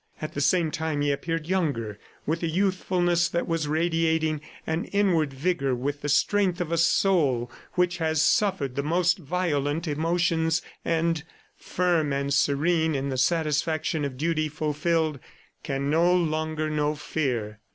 ... At the same time he appeared younger, with a youthfulness that was radiating an inward vigor, with the strength of a soul which has suffered the most violent emotions and, firm and serene in the satisfaction of duty fulfilled, can no longer know fear.